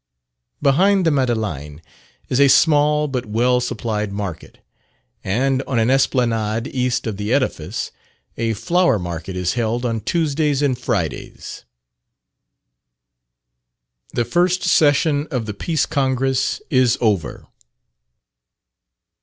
Behind the Madeleine is a small but well supplied market; and on an esplanade east of the edifice, a flower market is held on Tuesdays and Fridays. The first session of the Peace Congress is over.